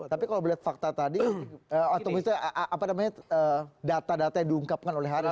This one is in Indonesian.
tapi kalau melihat fakta tadi atau misalnya apa namanya data data yang diungkapkan oleh haris tadi